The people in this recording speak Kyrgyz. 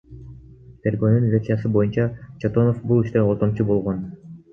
Тергөөнүн версиясы боюнча, Чотонов бул иште ортомчу болгон.